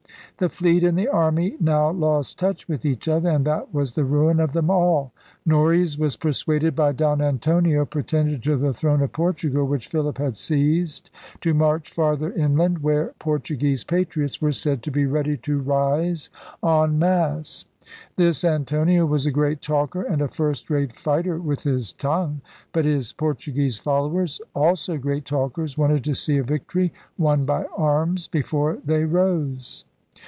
The fleet and the army now lost touch with each other; and that was the ruin of them all. Norreys was persuaded by Don Antonio, pretender to the throne of Portugal which Philip had seized, to march farther inland, where Portuguese patriots were said to be ready to rise en masse. This Antonio was a great talker and a first rate fighter with his tongue. But his Por tuguese followers, also great talkers, wanted to see a victory won by arms before they rose.